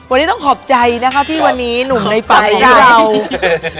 วันนี้ต้องขอบใจนะคะที่วันนี้หนุ่มในไฟล์ด๊อค